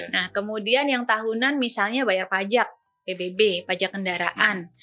nah kemudian yang tahunan misalnya bayar pajak pbb pajak kendaraan